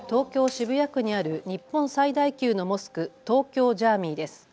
渋谷区にある日本最大級のモスク、東京ジャーミイです。